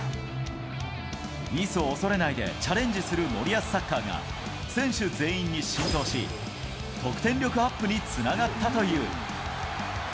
ミスを恐れないでチャレンジする森保サッカーが選手全員に浸透し、得点力アップにつながったという。